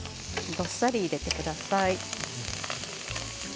どっさり入れてください。